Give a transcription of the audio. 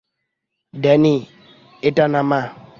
Danny, এটা নামা।